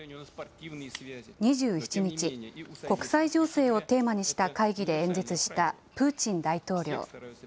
２７日、国際情勢をテーマにした会議で演説したプーチン大統領。